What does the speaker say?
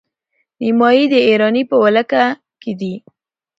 نیمايي د ایران په ولکه کې دی.